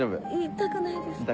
痛くないですか？